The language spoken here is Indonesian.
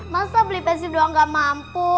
masa beli pesi doang gak mampu